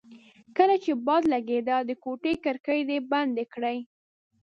کله چې باد لګېده د کوټې کړکۍ دې بندې کړې.